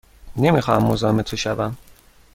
نمی خواهم مزاحم تو شوم.